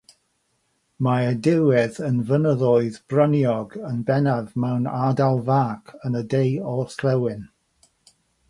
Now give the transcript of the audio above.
Mae'r dirwedd yn fynyddoedd bryniog yn bennaf mewn ardal fach yn y de-orllewin.